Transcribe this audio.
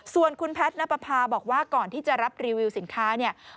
ส่วนคุณแพทย์ณภาพาบอกว่าก่อนที่จะรับรีวิวสินค้า